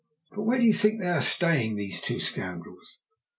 "But where do you think they are staying these two scoundrels?"